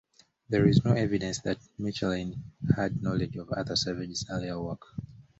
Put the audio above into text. There is no evidence that Michelin had knowledge of Arthur Savage's earlier work.